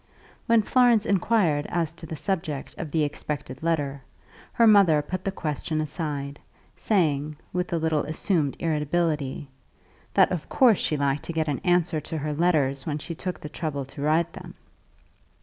When Florence inquired as to the subject of the expected letter, her mother put the question aside, saying, with a little assumed irritability, that of course she liked to get an answer to her letters when she took the trouble to write them.